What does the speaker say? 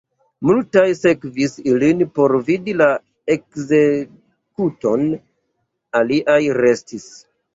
Multaj sekvis ilin por vidi la ekzekuton, aliaj restis.